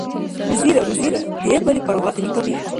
Узира рузира дебали паргъатли кабиилри.